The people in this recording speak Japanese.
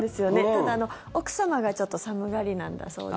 ただ、奥様がちょっと寒がりなんだそうで。